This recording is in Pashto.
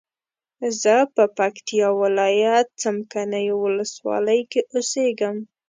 زه په پکتیا ولایت څمکنیو ولسوالۍ کی اوسیږم